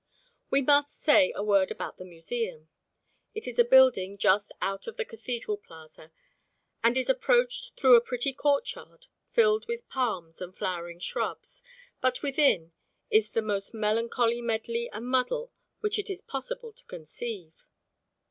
We must say a word about the Museum. It is a building just out of the cathedral plaza, and is approached through a pretty courtyard filled with palms and flowering shrubs. But within is the most melancholy medley and muddle which it is possible to conceive.